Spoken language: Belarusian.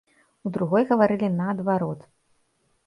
У другой гаварылі наадварот.